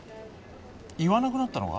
言わなくなったのか？